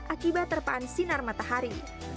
akibat terpaan sinar matahari